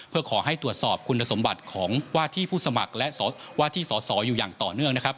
เพื่อขอให้ตรวจสอบคุณสมบัติของว่าที่ผู้สมัครและว่าที่สอสออยู่อย่างต่อเนื่องนะครับ